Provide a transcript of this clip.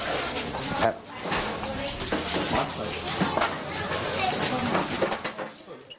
หมาก็เห่าตลอดคืนเลยเหมือนมีผีจริง